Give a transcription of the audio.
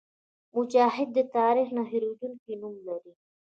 مجاهد د تاریخ نه هېرېدونکی نوم لري.